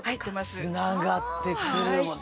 つながってくる。